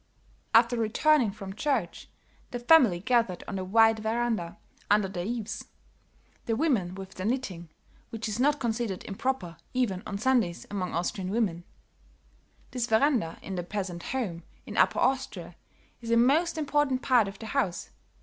After returning from church the family gathered on the wide verandah under the eaves, the women with their knitting, which is not considered improper even on Sundays among Austrian women. This verandah in the peasant home in Upper Austria is a most important part of the house.